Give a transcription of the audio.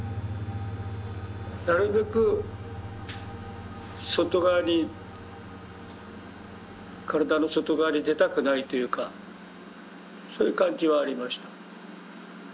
なるべく外側に身体の外側に出たくないというかそういう感じはありました。